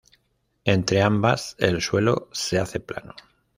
Entre ambas el suelo se hace plano.